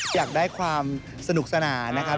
อยากได้ความสนุกสนานนะครับ